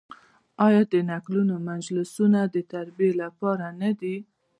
آیا د نکلونو مجلسونه د تربیې لپاره نه دي؟